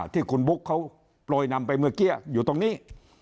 ที่คุณบุ๊คเขาโปรยนำไปเมื่อกี้อยู่ตรงนี้